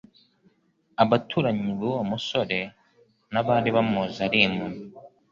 Abaturanyi b'uwo musore n'abari bamuzi ari impumyi